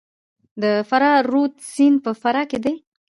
د فرا رود سیند په فراه کې دی